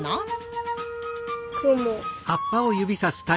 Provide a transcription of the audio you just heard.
クモ。